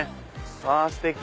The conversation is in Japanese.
あステキ！